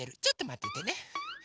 ちょっとまっててね。